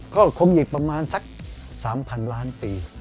ก็คงอีกประมาณสัก๓๐๐๐ล้านปี